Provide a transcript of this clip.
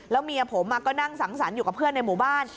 เมียผมก็นั่งสังสรรค์อยู่กับเพื่อนในหมู่บ้าน